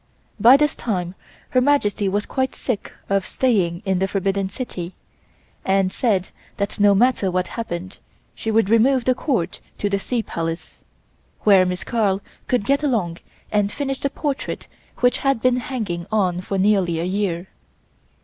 By this time Her Majesty was quite sick of staying in the Forbidden City and said that no matter what happened she would remove the Court to the Sea Palace, where Miss Carl could get along and finish the portrait which had been hanging on for nearly a year.